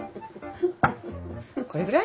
これぐらい？